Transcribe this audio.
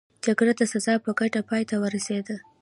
جګړه د سزار په ګټه پای ته ورسېده